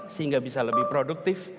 sehingga bisa lebih produktif